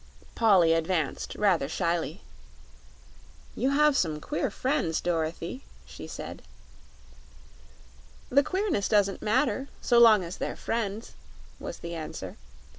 Polly advanced rather shyly. "You have some queer friends, Dorothy," she said. "The queerness doesn't matter so long as they're friends," was the answer.